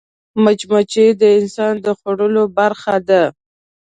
مچمچۍ د انسان د خوړو برخه ده